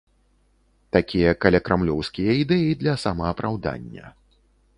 Такія калякрамлёўскія ідэі для самаапраўдання.